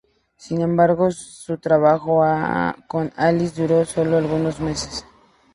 Sin embargo, su trabajo con Alice duró solo algunos meses.